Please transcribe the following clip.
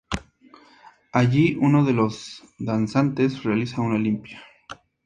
Allí uno de los danzantes realiza una "limpia".